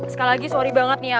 sekali lagi sorry banget nih ya